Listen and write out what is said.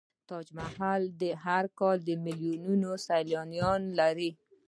تاج محل هر کال میلیونونه سیلانیان لري.